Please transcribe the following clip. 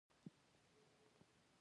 د موږک په سترګو کې پیشو هم زمری ښکاري.